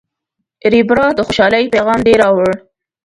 ریبراه، د خوشحالۍ پیغام دې راوړ.